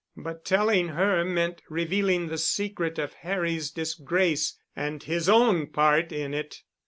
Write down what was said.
But telling her meant revealing the secret of Harry's disgrace and his own part in it.